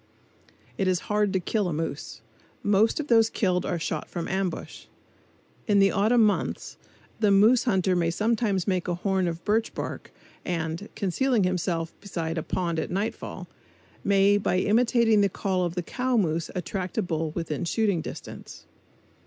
It is hard to kill a moose. Most of those killed are shot from ambush. In the autumn months the moose hunter may sometimes make a horn of birch bark and, concealing himself beside a pond at nightfall, may by imitating the call of the cow moose attract a bull within shooting distance.